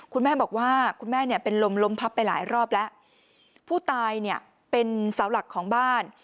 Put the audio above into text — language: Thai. คุณแม่บอกว่าคุณแม่เนี่ยเป็นลมล้มพับไปหลายรอบแล้วผู้ตายเนี่ยเป็นเสาหลักของบ้าน